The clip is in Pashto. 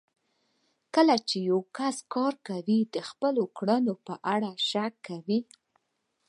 کله چې يو کس يو کار کوي د خپلو کړنو په اړه شک کوي.